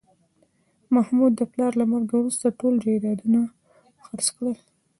محمود د پلار له مرګه وروسته ټول جایدادونه خرڅ کړل